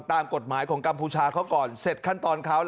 ตามกฎหมายของกัมพูชาเขาก่อนเสร็จขั้นตอนเขา